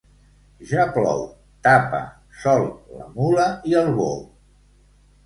Ja plou, tapa, sol, la mula i el bou.